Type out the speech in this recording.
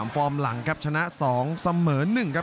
ฟอร์มหลังครับชนะ๒เสมอ๑ครับ